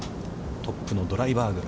トップのドライバーグ。